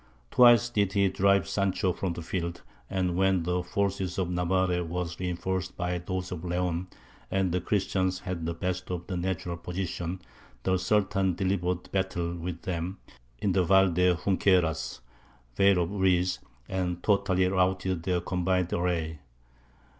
Twice did he drive Sancho from the field, and when the forces of Navarre were reinforced by those of Leon, and the Christians had the best of the natural position, the Sultan delivered battle with them in the Val de Junqueras (Vale of Reeds), and totally routed their combined array.